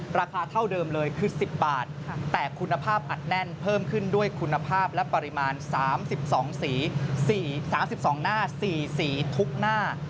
ราคาเท่าเดิมเลยคือ๑๐บาทแต่คุณภาพอัดแน่นเพิ่มขึ้นด้วยคุณภาพและปริมาณ๓๒สี๓๒หน้า๔สีทุกหน้า